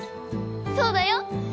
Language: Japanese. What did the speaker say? そうだよ！